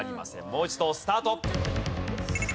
もう一度スタート。